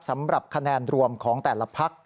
สำหรับคะแนนรวมของแต่ละพัก